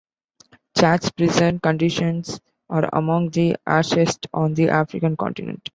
Chad's prison conditions are among the harshest on the African continent.